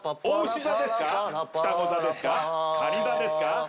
おうし座ですか？